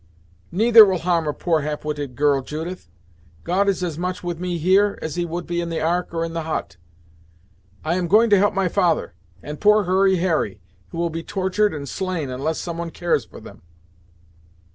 "Neither will harm a poor half witted girl, Judith. God is as much with me, here, as he would be in the Ark or in the hut. I am going to help my father, and poor Hurry Harry, who will be tortured and slain unless some one cares for them."